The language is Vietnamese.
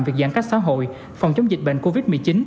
việc giãn cách xã hội phòng chống dịch bệnh covid một mươi chín